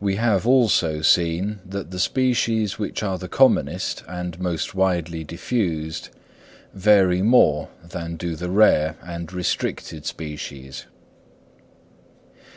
We have, also, seen that the species, which are the commonest and most widely diffused, vary more than do the rare and restricted species.